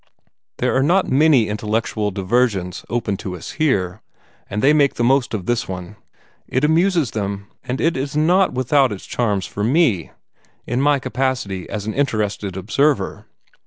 There are not many intellectual diversions open to us here, and they make the most of this one. It amuses them, and it is not without its charms for me, in my capacity as an interested observer.